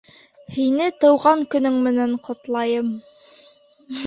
Һине тыуған көнөң менән ҡотлайым!